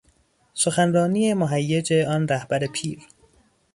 سخنرانی مهیج آن رهبر پیر